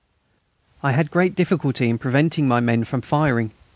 I had great difficulty in preventing my men from firing.